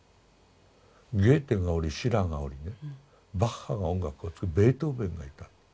ゲーテがおりシラーがおりねバッハが音楽を作りベートーベンがいた。